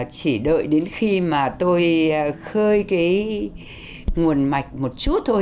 chỉ đợi đến khi mà tôi khơi cái nguồn mạch một chút thôi